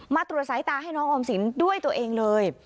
มาตรวจสายตาให้น้องออมสินด้วยตัวเองเลย